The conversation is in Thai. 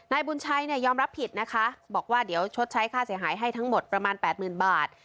นายบุญชัยเนี่ยยอมรับผิดนะคะบอกว่าเดี๋ยวชดใช้ค่าเสียหายให้ทั้งหมดประมาณ๘๐๐๐บาท